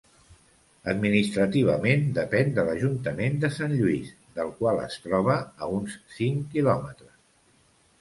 Administrativament, depèn de l'Ajuntament de Sant Lluís, del qual es troba a uns cinc quilòmetres.